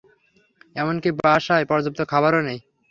এমনকি বাসায় পর্যাপ্ত খাবারও নেই।